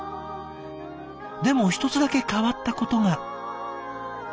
でも一つだけ変わったことが。